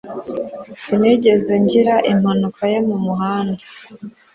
Sinigeze ngira impanuka yo mumuhanda